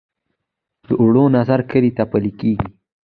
دواړو نظر کلي ته پلی کېږي.